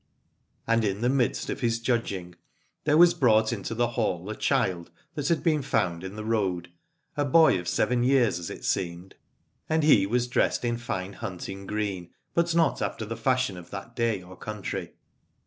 And in the midst of his judging there was brought into the hall a child that had been found in the road, a boy of seven years as it seemed : and he was dressed in fine hunting green, but not after the fashion of that day or country.